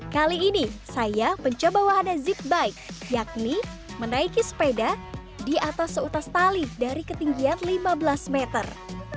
kali ini saya mencoba wahana zigbike yakni menaiki sepeda di atas seutas tali dari ketinggian lima belas meter